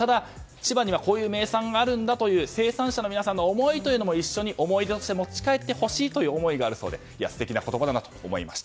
千葉にはこういう名産があるんだという生産者の皆さんの思いも一緒に思い出して持ち帰ってほしいという思いがあるそうで素敵な言葉だなと思いました。